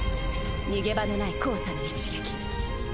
逃げ場のない交差の一撃